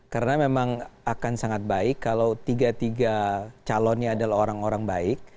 karena memang akan sangat baik kalau tiga tiga calonnya adalah orang orang baik